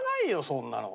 そんなの。